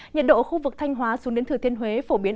nhiệt độ khu vực thanh hóa xuống đến thừa thiên huế phổ biến